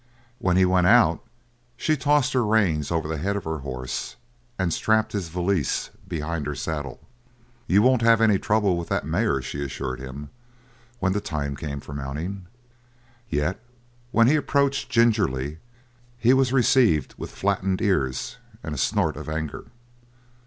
When he went out she tossed her reins over the head of her horse and strapped his valise behind her saddle. "You won't have any trouble with that mare," she assured him, when the time came for mounting. Yet when he approached gingerly he was received with flattened ears and a snort of anger.